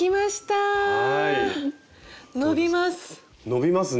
伸びます。